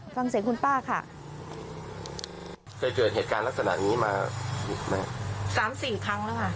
ฟังเสียงคุณป้าค่ะเคยเกิดเหตุการณ์ลักษณะนี้มาสามสี่ครั้งแล้วค่ะ